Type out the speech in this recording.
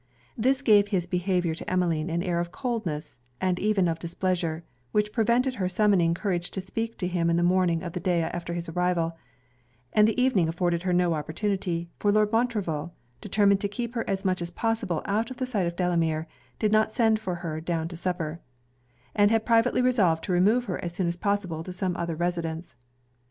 This gave his behaviour to Emmeline an air of coldness, and even of displeasure, which prevented her summoning courage to speak to him in the morning of the day after his arrival: and the evening afforded her no opportunity; for Lord Montreville, determined to keep her as much as possible out of the sight of Delamere, did not send for her down to supper, and had privately resolved to remove her as soon as possible to some other residence.